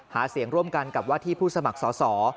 หาเสียงร่วมกันกับว่าที่ผู้สมัครสอสอ